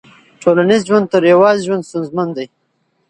ټولنیز ژوند تر يوازي ژوند ستونزمن دی.